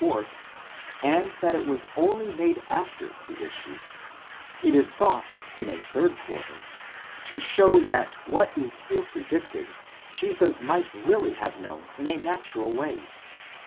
supernatural source, and that it was only made after the issue ; it is sought, in a third quarter, to show that what is here predicted, Jesus might really have known in a natural way.!